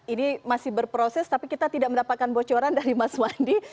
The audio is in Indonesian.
ini masih berproses tapi kita tidak mendapatkan bocoran dari mas wandi